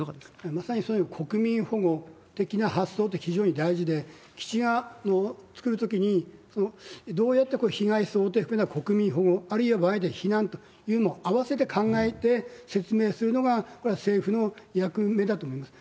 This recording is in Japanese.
まさにそういう国民保護的な発想って非常に大事で、基地を造るときに、どうやってこれ、、国民保護、あるいは場合によっては避難ということも合わせて考えて説明するのが、これは政府の役目だと思います。